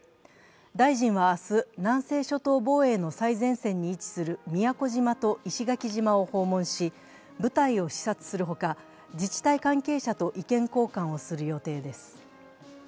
大臣は明日、南西諸島防衛の最前線に位置する宮古島と石垣島を訪問し、部隊を視察するほか、自治体関係者と意見交換をする予定です。